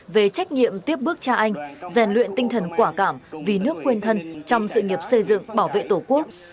về trách nhiệm tiếp bước cha anh rèn luyện tinh thần quả cảm vì nước quên thân trong sự nghiệp xây dựng bảo vệ tổ quốc